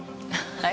はい？